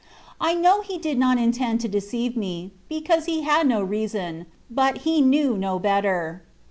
I know he did not intend to deceive me, because he had no reason, but he knew no better.